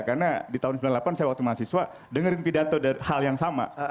karena di tahun seribu sembilan ratus sembilan puluh delapan saya waktu mahasiswa dengerin pidato dari hal yang sama